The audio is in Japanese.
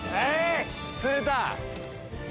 釣れた！